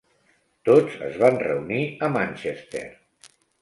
Tots es van reunir a Manchester.